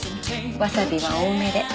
わさびは多めで。